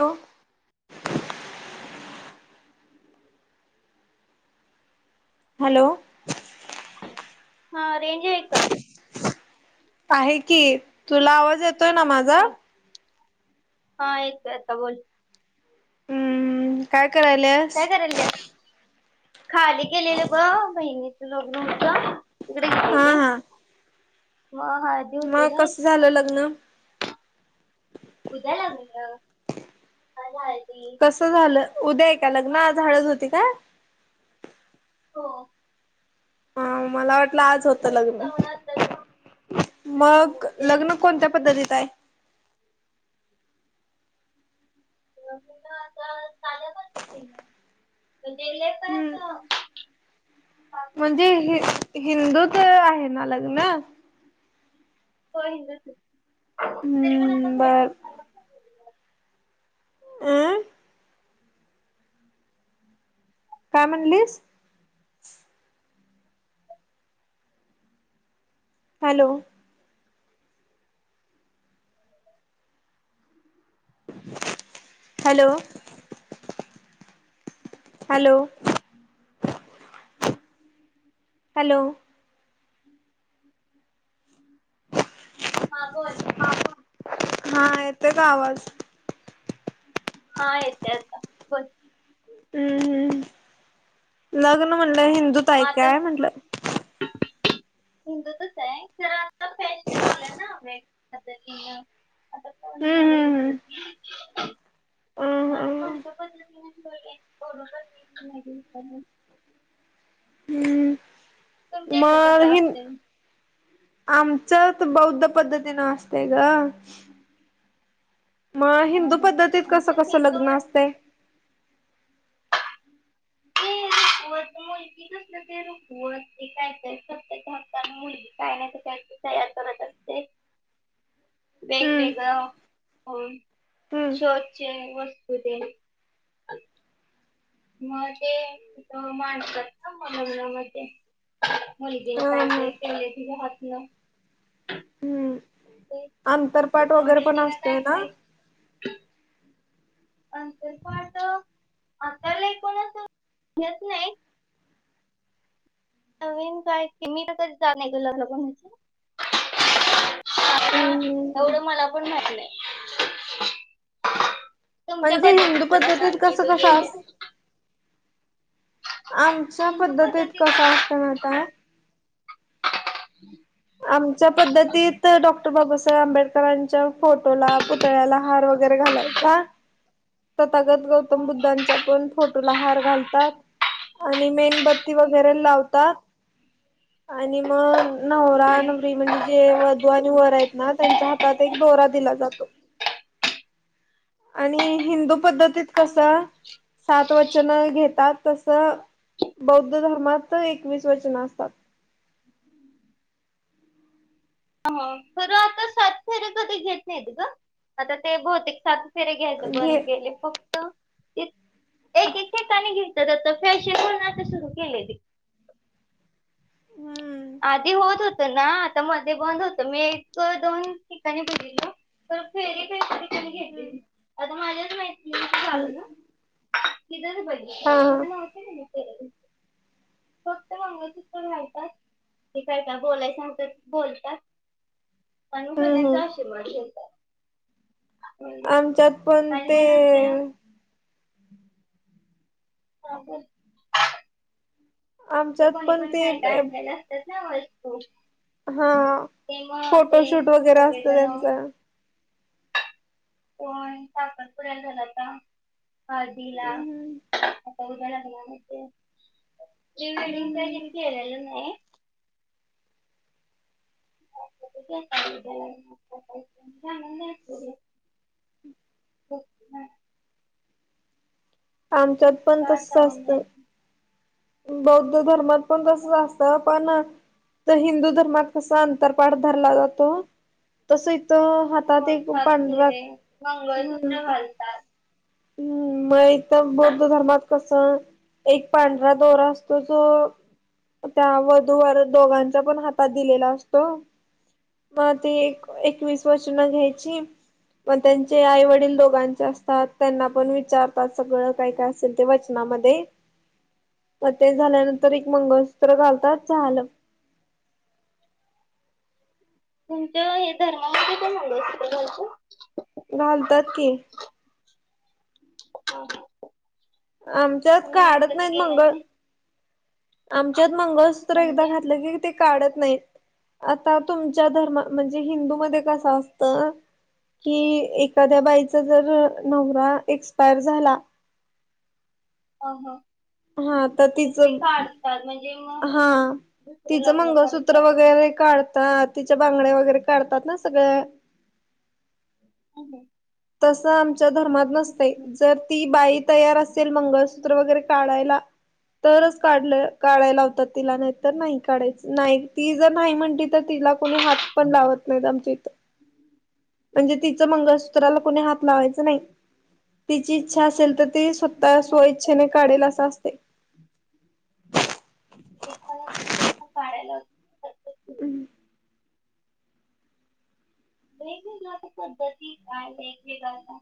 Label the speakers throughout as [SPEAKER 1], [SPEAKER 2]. [SPEAKER 1] Hello. Hello.
[SPEAKER 2] हा range आहे का?
[SPEAKER 1] आहे की तुला आवाज येतोय ना मा
[SPEAKER 2] हा हा येतो आता बोल.
[SPEAKER 1] हमम काय करायलय?
[SPEAKER 2] काय करायलस खाली गेलेलं ब बहिणीच लग्न होतं
[SPEAKER 1] हा. हा
[SPEAKER 2] ब ह [unintelligible]
[SPEAKER 1] मग कसं झालं लग्न?
[SPEAKER 2] उद्या लग्न आज हळदी.
[SPEAKER 1] कस झालं उद्या आहे का लग्न
[SPEAKER 2] मग
[SPEAKER 1] आज हळद होती काय?
[SPEAKER 2] हो.
[SPEAKER 1] हा मला वाट आज होत लग्न
[SPEAKER 2] जाऊन आता ते
[SPEAKER 1] मग लग्न कोणत्या पद्धतीत आहे?
[SPEAKER 2] लग्न तर साध्या पध्दतीने म्हणजे [unintelligible]
[SPEAKER 1] हमम.
[SPEAKER 2] [inaudible]
[SPEAKER 1] म्हणजे ह हिंदू तर आहे ना लग्न?
[SPEAKER 2] होय हिंदूचे.
[SPEAKER 1] हम बर. अंम. काय म्हणलीस? हॅलो. हॅलो. Hello, hello.
[SPEAKER 2] हा बोल?
[SPEAKER 1] हा बोल, हा येतोय का आवाज?
[SPEAKER 2] हा येत आता, बोल?
[SPEAKER 1] हम्म हम्म, लग्न म्हणलं हिंदु
[SPEAKER 2] मा आत
[SPEAKER 1] [inaudible]
[SPEAKER 2] हिंदूतच आहे जरा आता फॅशन आलं ना [unintelligible] बदलेल. आता कोण एवढ हे
[SPEAKER 1] हम्म
[SPEAKER 2] करत
[SPEAKER 1] [inaudible] हम्म
[SPEAKER 2] माझ
[SPEAKER 1] हम्म. अ
[SPEAKER 2] पंथ पद्धतीन [unintelligible] लगीन करून. तुमच्या
[SPEAKER 1] म
[SPEAKER 2] इकडे कसं
[SPEAKER 1] हिन
[SPEAKER 2] असते
[SPEAKER 1] आमचं त बौद्ध पद्धतीनं असतय ग. म हिंदू पद्धतीत कसं
[SPEAKER 2] आमच्यात
[SPEAKER 1] कसं
[SPEAKER 2] हिंदू
[SPEAKER 1] लग्न
[SPEAKER 2] म्हण
[SPEAKER 1] असतय.
[SPEAKER 2] हि रुखवत मुल ते कसल ते रुखवत ते काय करत्यात ते हातान मुलगी काय नाहीत काय तयार करत
[SPEAKER 1] [inaudible] हम्म
[SPEAKER 2] वेगवेगळ, हो,
[SPEAKER 1] हम्म
[SPEAKER 2] शो चे वस्तू तेन. म ते, तिथ माडतात ना मलग्रह मध्ये. मुलगीन
[SPEAKER 1] ह
[SPEAKER 2] काय
[SPEAKER 1] ह
[SPEAKER 2] काय केलय तिच्या हात ना.
[SPEAKER 1] हम्म, अंतरपाठ वगैरे पण असतोय ना.
[SPEAKER 2] अंतर अंतरपाट, आता लई कोण असं, घेत नइ. नवीन काय [unintelligible] आता एवढं मला पण माहित
[SPEAKER 1] हम्
[SPEAKER 2] नाही.
[SPEAKER 1] हम.
[SPEAKER 2] तुमच्या
[SPEAKER 1] म्हणजे हिंदू
[SPEAKER 2] जरा
[SPEAKER 1] पद्धतीत
[SPEAKER 2] सांग की
[SPEAKER 1] कसं
[SPEAKER 2] तू
[SPEAKER 1] कसं
[SPEAKER 2] गेले
[SPEAKER 1] अस आमच्या पद्धतीत कस असत महिताय आमच्या पद्धतीत डॉक्टर बाबासाहेब आंबेडकरांच्या फोटोला पु तळ्याला हार वगैरे घालायचा. तथागत गौतम बुद्धांच्या पण फोटोला हार घालतात. आणि मेनबत्ती वगैरे लावतात. आणि मग नवरा नवरी म्हणजे जे वधू आणि वर आहेत ना त्यांच्या हातात एक दोरा दिला जातो. आणि हिंदू पद्धतीत कसं, सात वचन घेतात तस बौद्ध धर्मात एकवीस वचनं असतात.
[SPEAKER 2] ह खरं आता सात फेरे कधी घेत नाहीत ग, आता ते बहुतेक सात फेरे घ्यायच
[SPEAKER 1] घे
[SPEAKER 2] बंद केले फक्त, [unintelligible] एक एक ठिकाणी घे त्याज्यात फॅशन म्हणून आता सुरू केलय ते.
[SPEAKER 1] हम्म
[SPEAKER 2] आधी होत हो त ना आता मध्ये बंद होत मी एक दोन ठिकाणी बघितले, तर फेरे कायतरी तेनी घेतली नाहीत, आता माझ्याच मै
[SPEAKER 1] हम्.
[SPEAKER 2] इर बरी [unintelligible] न न नव्हतं नाही. फक्त मंगळसूत्रच घालतात. ते काय नाही, बोलयच होत ते बोलतात. म्हणून
[SPEAKER 1] हम्म हम्म
[SPEAKER 2] सगळ्यांचा आशीर्वाद घेतात.
[SPEAKER 1] आमच्यात पण
[SPEAKER 2] आणि
[SPEAKER 1] ते...
[SPEAKER 2] मग नंतर ह [unintelligible] ए
[SPEAKER 1] आमच्यात
[SPEAKER 2] कोनि
[SPEAKER 1] पण
[SPEAKER 2] कोनी
[SPEAKER 1] ते
[SPEAKER 2] काय काल आणलेलं तस.
[SPEAKER 1] हा
[SPEAKER 2] तेव्हा ते
[SPEAKER 1] फोटोशूट वगैरे असतं
[SPEAKER 2] सगळेजण-
[SPEAKER 1] त्यांचं.
[SPEAKER 2] पण, साखरपुडा झाला का हळदीला? प्रीवेडिंग तीन
[SPEAKER 1] हम्म
[SPEAKER 2] काय केलेल नाही. [unintelligible]
[SPEAKER 1] आमच्यात पण तसच असतय. बौद्ध धर्मात पण तस असत पण- तर हिंदू धर्मात कसा अंतर पाठ धरला जातो, तस इथ हात- त्यात एक [unintelligible] पांढरा हम्म.
[SPEAKER 2] म्हणतात.
[SPEAKER 1] हम्म, नाहीतर बौद्ध धर्मात कसं- एक पांढरा दोरा असतोय जो- त्या वधूवर दोघांच्या पण हातात दिलेला असतो. मग ते एक- एकवीस वचनं घ्यायची. मग त्यांचे आई वडील दोघांचे असतात. त्यांना पण विचारतात सगळं काय, काय असेल ते वचनामध्ये. मग ते झाल्यानंतर एक मंगळसूत्र घालतात झालं.
[SPEAKER 2] तुमच्या हे धर्मामध्ये पण मंगळसूत्र घालतात?
[SPEAKER 1] घालतात की.
[SPEAKER 2] [inaudible]
[SPEAKER 1] आमच्यात
[SPEAKER 2] मी
[SPEAKER 1] काढत
[SPEAKER 2] कधी
[SPEAKER 1] नाहीत
[SPEAKER 2] गेला
[SPEAKER 1] मंगळ.
[SPEAKER 2] नाही
[SPEAKER 1] आमच्यात मंगळसूत्र एकदा
[SPEAKER 2] म्हणजे
[SPEAKER 1] घातलं की, ते- काढत नाहीत. आता तुमच्या धर्म म्हणजे हिंदू मध्ये कस असत? कि एखाद्या बाईचा जर नवरा जर एक्सपायर झाला-
[SPEAKER 2] हा हा.
[SPEAKER 1] हा तर तिचं,
[SPEAKER 2] म्हणजे मग
[SPEAKER 1] हा.
[SPEAKER 2] दुसरं
[SPEAKER 1] तिचं
[SPEAKER 2] लग्न
[SPEAKER 1] मंगळसूत्र
[SPEAKER 2] करतात.
[SPEAKER 1] वगैरे काढतात, तिच्या बांगड्या वगैरे काढतात, ‌ना सगळ.
[SPEAKER 2] [inaudible]
[SPEAKER 1] तस आमच्या धर्मात नसतय, जर ती बाई- तयार असेल मंगळसूत्र वगैरे काढायला- तरच काढलं काढाय लावतात तिला, नाही तर नाही काढायच, नाही ती जर नाही म्हणली तर तिला- कोणी हात पण लावत नाही आमच्या इथे, म्हणजे तिच मंगळ- सुत्राला कोणी हात लावायच नाही, तिची इच्छा असेल तर ते स्वतः स्व- इच्छने काढेल, अस असतय.
[SPEAKER 2] [unintelligible] पण पण काढय लावतात.
[SPEAKER 1] [inaudible]
[SPEAKER 2] वेगवेगळ्या तर पद्धतीत आहे वेगवेगळ्या-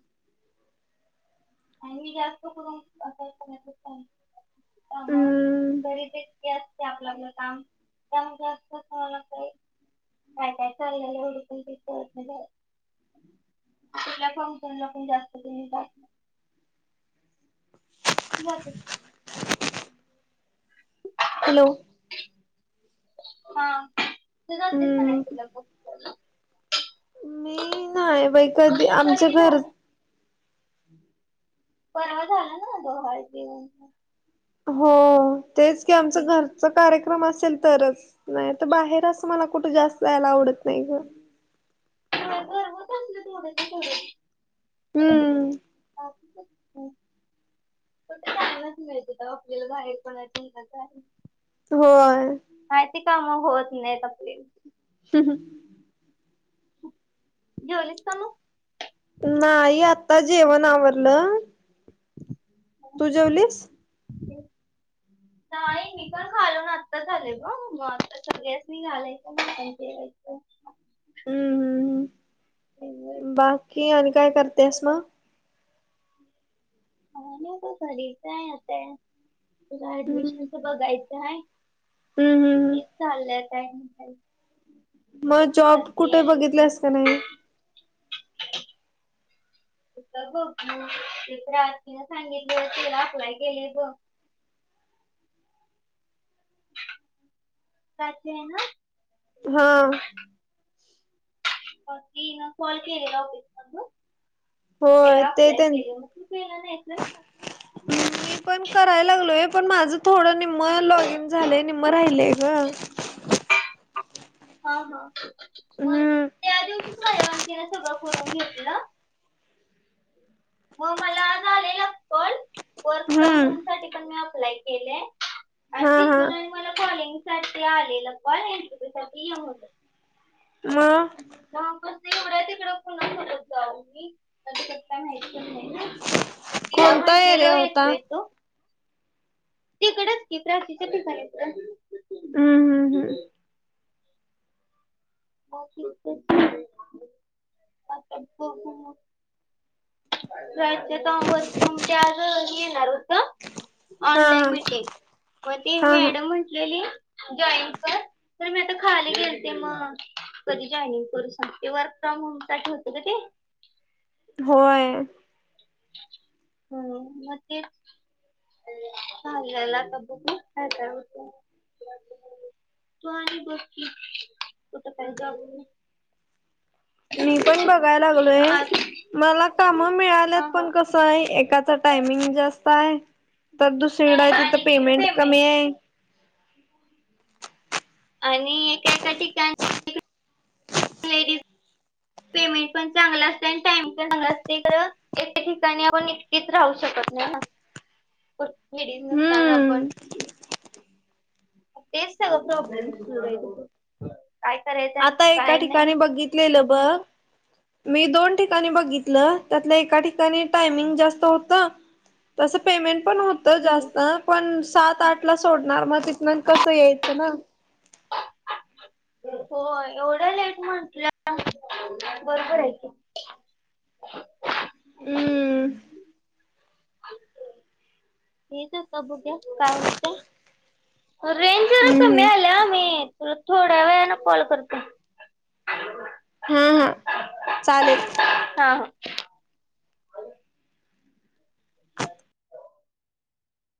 [SPEAKER 2] [unintelligible] त्या
[SPEAKER 1] हम्म
[SPEAKER 2] मग घरी इतकी असते आपल्यालं काम त्यामध्ये असं लागतय [unintelligible] काय, काय चाललंय एवढं पण काय कळत नाही. [unintelligible] पण जास्त करून काय जाते.
[SPEAKER 1] हॅलो.
[SPEAKER 2] हा तुझाच
[SPEAKER 1] हम्म
[SPEAKER 2] [inaudible]
[SPEAKER 1] मी नाही बाई कधी
[SPEAKER 2] तुमचं
[SPEAKER 1] आमच्या
[SPEAKER 2] परवी
[SPEAKER 1] घर
[SPEAKER 2] झालं परवा झालं ना डोहाळे जेवण?
[SPEAKER 1] हो तेच की आमचं
[SPEAKER 2] ते.
[SPEAKER 1] घरचा कार्यक्रम असेल तरच. नाही तर बाहेर असं मला कुठे जास्त जायला आवडत नाही.
[SPEAKER 2] [inaudible] मिळतय
[SPEAKER 1] हम्म.
[SPEAKER 2] आपल्याला बाहेर कोणा ना [inaudible]
[SPEAKER 1] होय.
[SPEAKER 2] बाहेरची काम होत नाही त आपली.
[SPEAKER 1] ह, ह
[SPEAKER 2] जेवलीस का मग?
[SPEAKER 1] नाही आता जेवण आवरलं तू जेवलीस?
[SPEAKER 2] ह [inaudible]
[SPEAKER 1] [inaudible]
[SPEAKER 2] नाही मी पण खालून आत्ताच आले ग, मग आता सगळ्यांनी घालायचं म आपण जेवायचं.
[SPEAKER 1] हम्म,
[SPEAKER 2] नाही
[SPEAKER 1] हम्म्, बाकी आणि काय करतेस मग?
[SPEAKER 2] काय नाही बघ घरीचं आहे आता, पुढं ऍडमिशनच बघायचं हाय.
[SPEAKER 1] हम, हम
[SPEAKER 2] तेच चाललंय काय म्हणताय मग?
[SPEAKER 1] मग जॉब कुठे
[SPEAKER 2] ऍडमिशन
[SPEAKER 1] बघितलास का नाही?
[SPEAKER 2] [inaudible] सांगितलय तेला आपलय केलेय बघ का [unintelligible] यचे हा
[SPEAKER 1] हा.
[SPEAKER 2] [unintelligible] कॉल केलेला होता त्याला
[SPEAKER 1] होय ते
[SPEAKER 2] आपलाय
[SPEAKER 1] त्यां
[SPEAKER 2] केलं होते. तू केला नाहीस?
[SPEAKER 1] मी पण कराय लागलोय पण माझं थोडं मग लॉग इन झालंय निम्म राहिलय ग.
[SPEAKER 2] हा हा, मग
[SPEAKER 1] हम्म
[SPEAKER 2] त्या दिवशीच माझ्या अँटी न सगळं करून घेतल. मग मला झालेला call, work from
[SPEAKER 1] hmm
[SPEAKER 2] home साठी पण मी अप्लाय केलेला. केलेय, आणि
[SPEAKER 1] हा हा.
[SPEAKER 2] तिथूनच मला कॉलिंग साठी आलेला कॉल इंटरव्यू साठी या म्हणून.
[SPEAKER 1] म?
[SPEAKER 2] नाप ते [unintelligible] पु्या तिकड पुन करत जाऊ मीता माहतीच नाही ना [inaudible] तिला
[SPEAKER 1] कोणता
[SPEAKER 2] म्हटलेल
[SPEAKER 1] एरिया होता?
[SPEAKER 2] येतो येतो. तिकडच की, प्राचीच्या ठिकाणीच ग.
[SPEAKER 1] हम्म. हम्म
[SPEAKER 2] ठीक
[SPEAKER 1] हम्म
[SPEAKER 2] आहे. म म [unintelligible] य तर सम ते आज येणार होत [inaudible] ऑनलाईन
[SPEAKER 1] हा हा
[SPEAKER 2] मीटिंग, मग ती
[SPEAKER 1] हा हा
[SPEAKER 2] मॅडम म्हटलेली जॉईन कर तर मी तर खाली गेलते मग कधी जॉईनिंग करू सांगते वर्क फ्रॉम होमसाठी होतं का ते?
[SPEAKER 1] होय.
[SPEAKER 2] हम् म ते हेला [unintelligible] तो आधी बघ की कुठ तरी जॉब.
[SPEAKER 1] मी पण बघाय लागलोय
[SPEAKER 2] आणि
[SPEAKER 1] मला काम मिळाल्यात
[SPEAKER 2] हा हा
[SPEAKER 1] पण कस आहे एकाच टायमिंग जास्त आहे तर दुसरीकड तिथं
[SPEAKER 2] आणि तिकडे
[SPEAKER 1] पेमेंट कमी आहे.
[SPEAKER 2] आणि एका एका ठिकाण
[SPEAKER 1] [unintelligible]
[SPEAKER 2] पेमेंट पण चांगला असतें आणि टाइम पण चांगला असते खंर एके ठिकाणी आपण एकटीच राहू शकत नाही ना लेडीज नसताना आपण.
[SPEAKER 1] हम्म
[SPEAKER 2] तेच सगं प्रॉब्लेम काय करायचं आणि काय नाही.
[SPEAKER 1] कलेलं बघ. मी दोन ठिकाणी बघितलं त्यातलं एका ठिकाणी टायमिंग जास्त होत. तसं पेमेंट पण होत. तर जास्त पण सात आठ ला सोडणार मग तिथून कसं यायचं ना.
[SPEAKER 2] हो एवढं लेट म्हटलं बरोबर आहे की.
[SPEAKER 1] हम्म.
[SPEAKER 2] हे तेच आता बघूया काय होतेे रेंज जरा
[SPEAKER 1] हम्
[SPEAKER 2] कमी
[SPEAKER 1] हम्.
[SPEAKER 2] मी तुला थोड्या वेळने कॉल करत.
[SPEAKER 1] हा हा चालेल.
[SPEAKER 2] हा. ब.